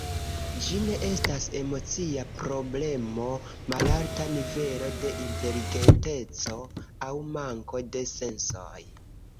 Ĝi ne estas emocia problemo, malalta nivelo de inteligenteco aŭ manko de sensoj.